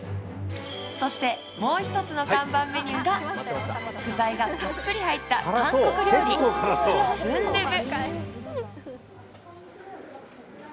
そして、もう一つの看板メニューが具材がたっぷり入った韓国料理、スンドゥブ。